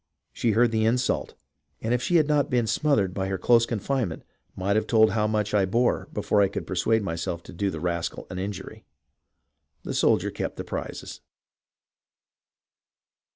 She heard the insult, and if she had not been smothered by her close confinement, might have told how much I bore before I could persuade myself to do the rascal an injury." The soldier kept his prizes.